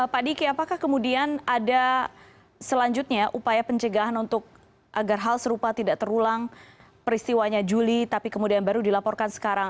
pak diki apakah kemudian ada selanjutnya upaya pencegahan untuk agar hal serupa tidak terulang peristiwanya juli tapi kemudian baru dilaporkan sekarang